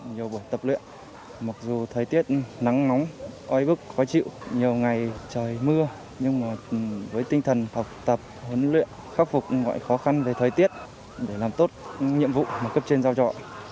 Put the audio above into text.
nhiều buổi tập luyện mặc dù thời tiết nắng nóng oi bức khó chịu nhiều ngày trời mưa nhưng với tinh thần học tập huấn luyện khắc phục mọi khó khăn về thời tiết để làm tốt nhiệm vụ mà cấp trên giao trọ